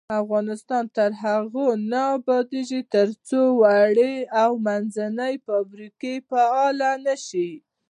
افغانستان تر هغو نه ابادیږي، ترڅو وړې او منځنۍ فابریکې فعالې نشي.